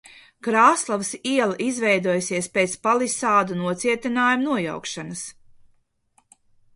Krāslavas iela izveidojusies pēc palisādu nocietinājumu nojaukšanas.